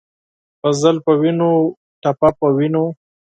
غزل پۀ وینو ، ټپه پۀ وینو